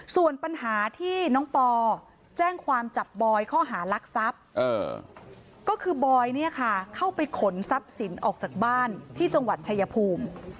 ส่วนปัญหาที่น้องปอแจ้งความจับบอยข้อหารักทรัพย์ก็คือบอยเนี่ยค่ะเข้าไปขนทรัพย์สินออกจากบ้านที่จังหวัดชายภูมิ